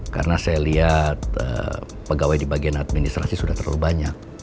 karena saya lihat pegawai di bagian administrasi sudah terlalu banyak